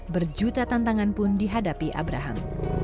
berjuta tantangan pun dihadapi abraham